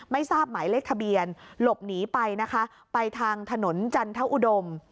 ไม่ทราบหมายเลขทะเบียนหลบหนีไปนะคะไปทางถนนจันทอุดม